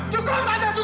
cukup tante cukup